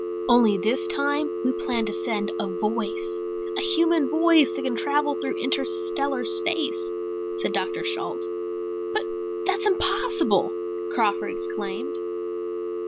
"Only this time we plan to send a voice, a human voice that can travel through interstellar space," said Dr. Shalt. "But that's impossible!" Crawford exclaimed.